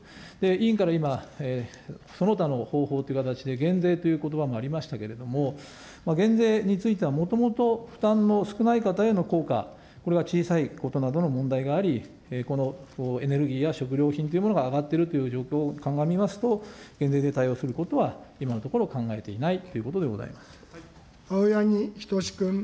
委員から今、その他の方法という形で減税ということばもありましたけれども、減税については、もともと負担の少ない方への効果、これが小さいことなどへの問題があり、このエネルギーや食料品というものが上がっているという状況を鑑みますと、減税で対応することは今のところ考えていないというこ青柳仁士君。